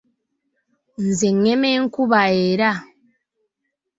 Nze ngema enkuba era.